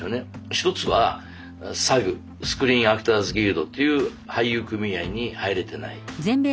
１つはＳＡＧスクリーンアクターズギルドという俳優組合に入れてない。